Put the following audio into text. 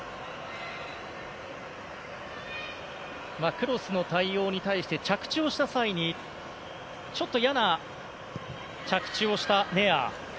クロスの対応に対して着地をした際にちょっといやな着地をしたネアー。